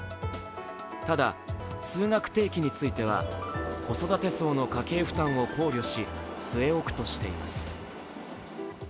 ただ通学定期については、子育て層の家計負担を考慮し据え置くとしています。